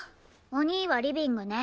お兄はリビングね。